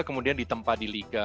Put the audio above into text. kemudian ditempa di liga